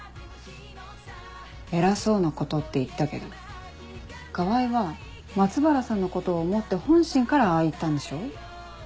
偉そうなことって言ったけど川合は松原さんのことを思って本心からああ言ったんでしょ？